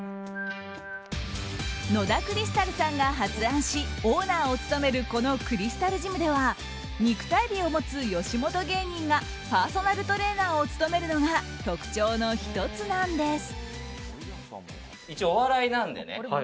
野田クリスタルさんが発案しオーナーを務めるこのクリスタルジムでは肉体美を持つ吉本芸人がパーソナルトレーナーを務めるのが特徴の１つなんです。